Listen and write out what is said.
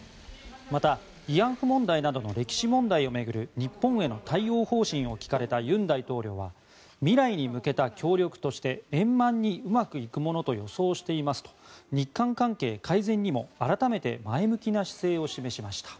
また、慰安婦問題などの歴史問題を巡る日本への対応方針を聞かれた尹大統領は未来に向けた協力として円満にうまくいくものと予想していますと日韓関係改善にも改めて前向きな姿勢を示しました。